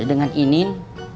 iya dengan inin